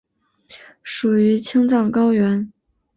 属于青藏高原。